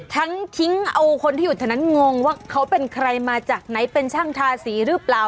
ทั้งทิ้งเอาคนที่อยู่แถวนั้นงงว่าเขาเป็นใครมาจากไหนเป็นช่างทาสีหรือเปล่า